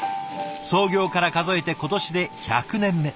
創業から数えて今年で１００年目。